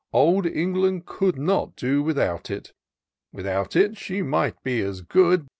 Old England could not do without it. Without it she might be as good.